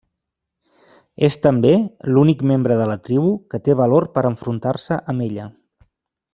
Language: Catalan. És també l'únic membre de la tribu que té valor per enfrontar-se amb ella.